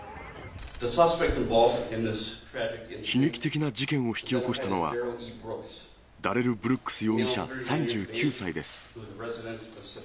悲劇的な事件を引き起こしたのは、ダレル・ブルックス容疑者３９歳です。